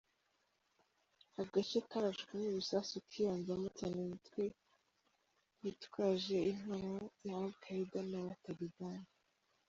Agace karashwemo ibisasu kibanzemo cyane imitwe witwaje intwaro ya Al-Quaeda n’abatalibani.